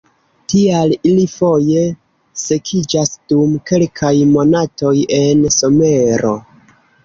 Tial, ili foje sekiĝas dum kelkaj monatoj en somero.